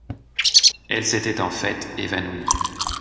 Elle s'était en fait évanouie...